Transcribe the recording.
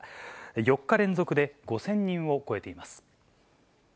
４日連続で５０００人を超えています。